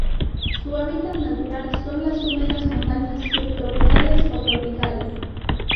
Su hábitat natural son la húmedas montañas subtropicales o tropicales.